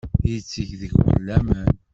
Yetteg deg-wen laman.